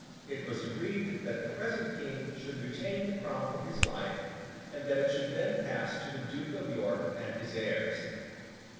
It was agreed that the present King should retain the crown for his life, and that it should then pass to the Duke of York and his heirs.